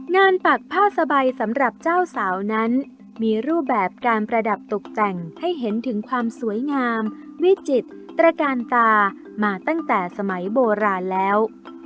ปักผ้าสบายสำหรับเจ้าสาวนั้นมีรูปแบบการประดับตกแต่งให้เห็นถึงความสวยงามวิจิตรการตามาตั้งแต่สมัยโบราณแล้ว